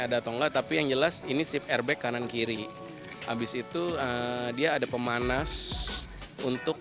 ada tonggak tapi yang jelas ini sip airbag kanan kiri habis itu dia ada pemanas untuk